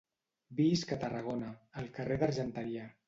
Visc a Tarragona, al carrer de Argenteria.